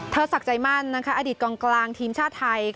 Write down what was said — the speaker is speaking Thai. ศักดิ์ใจมั่นอดีตกองกลางทีมชาติไทย